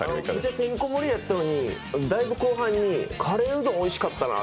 てんこ盛りやったのにだいぶ後半に「カレーうどんおいしかったなあ」